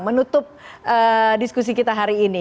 menutup diskusi kita hari ini